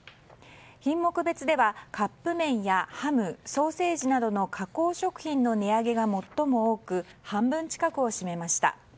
品目別ではカップ麺やハム・ソーセージなどの加工食品の値上げが最も多く半分近くを占めました。